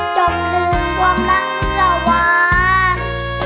จบลืมความรักกระวาน